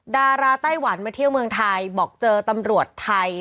ดาราไต้หวันมาเที่ยวเมืองไทยบอกเจอตำรวจไทย